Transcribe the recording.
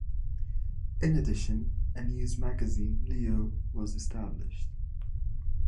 In addition, a news magazine, "Leo", was established.